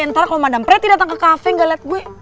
ntar kalau madam pretty datang ke cafe gak liat gue